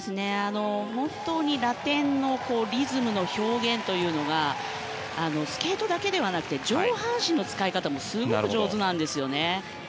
本当にラテンのリズムの表現というのがスケートだけではなくて上半身の使い方もすごく上手なんですね。